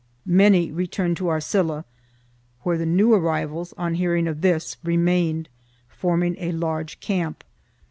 Many returned to Arcilla, where the new arrivals, on hearing of this, remained, forming a large camp.